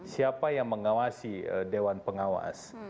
siapa yang mengawasi dewan pengawas